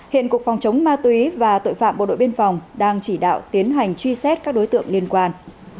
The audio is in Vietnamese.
hiện cục phòng chống ma túy và tội phạm bộ đội biên phòng đang chỉ đạo tiến hành truy xét các đối tượng liên quan